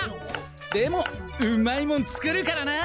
でもうまいモン作るからな！